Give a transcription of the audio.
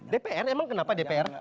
dpr emang kenapa dpr